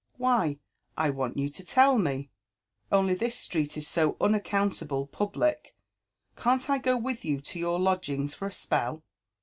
*' Why, I want you to tell me * only this street is so unaccountable pQbllc, *can't I go with you to your lodgings for a spell?